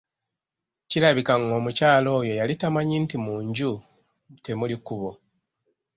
Kirabika ng'omukyala oyo yali tamanyi nti "mu nju temuli kkubo".